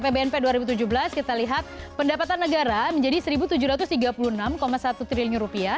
pbnp dua ribu tujuh belas kita lihat pendapatan negara menjadi rp satu tujuh ratus tiga puluh enam satu triliun